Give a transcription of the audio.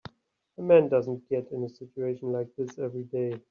A man doesn't get in a situation like this every day.